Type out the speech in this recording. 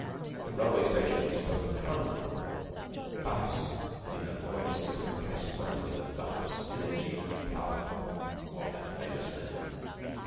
At the railway station, he spoke calmly, but in a voice that impressed one with the vast energy and will power of that famous man.